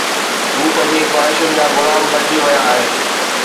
هو پنهنجي خواهشن جا غلام بڻجي ويا آهن.